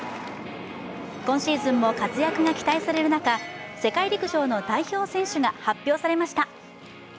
今シーズンも活躍が期待される中、世界陸上の代表選手が発表されました。